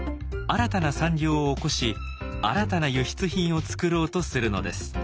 新たな産業を興し新たな輸出品を作ろうとするのです。